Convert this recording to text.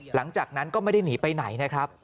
หลังจากนั้นก็ไม่ได้หนีไปไหนนะครับ